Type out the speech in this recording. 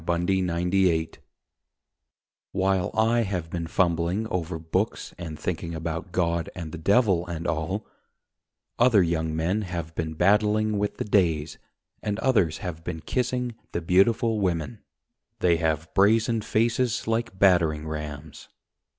THE LIFE THEORETIC While I have been fumbling over books And thinking about God and the Devil and all, Other young men have been battling with the days And others have been kissing the beautiful women. They have brazen faces like battering rams.